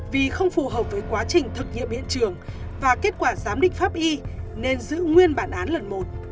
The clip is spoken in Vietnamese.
vì không phù hợp với quá trình thực nghiệm hiện trường và kết quả giám định pháp y nên giữ nguyên bản án lần một